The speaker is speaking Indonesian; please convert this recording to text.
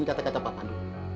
kata kata pak pandu